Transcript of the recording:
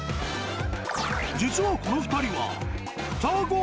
実はこの２人は、双子。